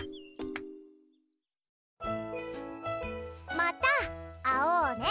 また会おうね。